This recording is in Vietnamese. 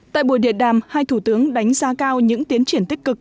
tại buổi điện đàm hai thủ tướng đánh giá cao những tiến triển tích cực